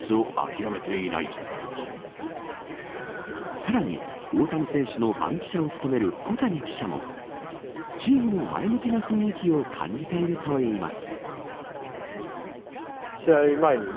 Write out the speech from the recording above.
さらに、大谷選手の番記者を務める小谷記者もチームの前向きな雰囲気を感じているといいます。